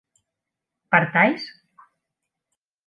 ¿partáis?